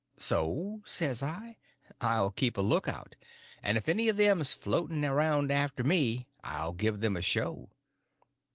So, says I, I'll keep a lookout, and if any of them's floating around after me I'll give them a show.